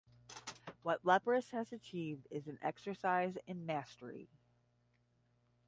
What Leprous has achieved is an exercise in mastery.